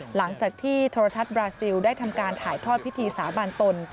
หลังจากที่โทรทัศน์บราซิลได้ทำการถ่ายทอดพิธีสาบานตน